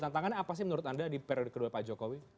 tantangannya apa sih menurut anda di periode kedua pak jokowi